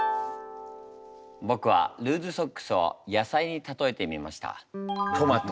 僕はルーズソックスを野菜に例えてみました。